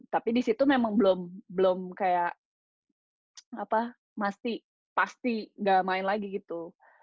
tapi disitu memang belum kayak apa masih pasti gak main lagi gitu